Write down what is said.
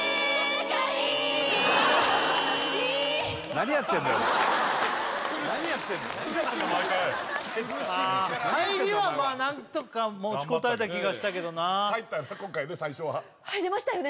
何やってんだよ何やってんのあっ入りはまあ何とか持ちこたえた気がしたけどな入ったね今回最初は入りましたよね？